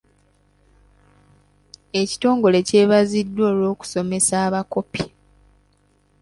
Ekitongole kyebaziddwa olw'okusomesa abakopi.